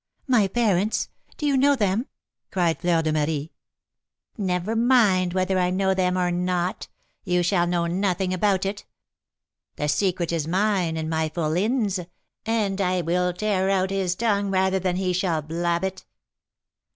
"My parents! Do you know them?" cried Fleur de Marie. "Never mind whether I know them or not, you shall know nothing about it. The secret is mine and my fourline's, and I will tear out his tongue rather than he shall blab it.